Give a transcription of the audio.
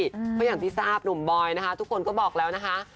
เพราะอย่างที่ทราบหนุ่มบอยนะคะทุกคนก็บอกแล้วนะคะ